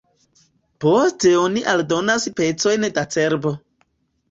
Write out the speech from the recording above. Poste oni aldonas pecojn da cerbo.